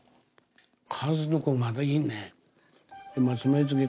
数の子まだいるね。